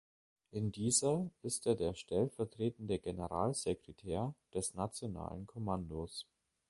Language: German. In dieser ist er der stellvertretende Generalsekretär des Nationalen Kommandos.